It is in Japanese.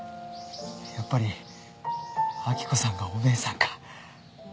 やっぱり明子さんがお姉さんか。